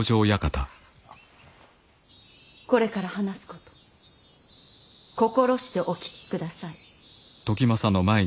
これから話すこと心してお聞きください。